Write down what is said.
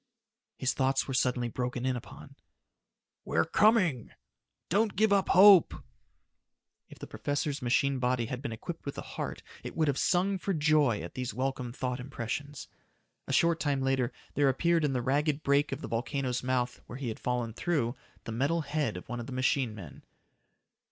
His thoughts were suddenly broken in upon. "We're coming!" "Don't give up hope!" If the professor's machine body had been equipped with a heart, it would have sung for joy at these welcome thought impressions. A short time later there appeared in the ragged break of the volcano's mouth, where he had fallen through, the metal head of one of the machine men.